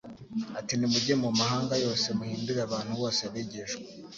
ati : «Nimujye mu mahanga yose muhindure abantu bose abigishwa,